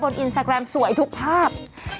อินสตาแกรมสวยทุกภาพ